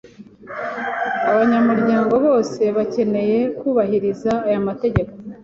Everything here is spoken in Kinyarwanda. Abanyamuryango bose bakeneye kubahiriza aya mategeko.